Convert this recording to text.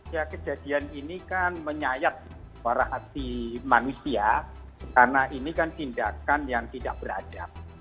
ya kejadian ini kan menyayat parah hati manusia karena ini kan tindakan yang tidak beradab